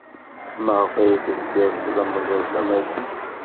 Maɣef ay tebdid tlemmded tamaziɣt?